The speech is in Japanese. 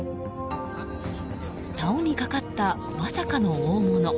さおにかかった、まさかの大物。